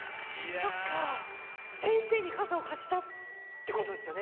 そっか、先生に傘を貸したってことですよね。